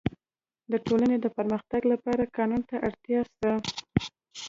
د ټولني د پرمختګ لپاره قانون ته اړتیا سته.